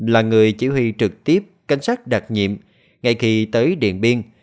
là người chỉ huy trực tiếp cảnh sát đặc nhiệm ngay khi tới điện biên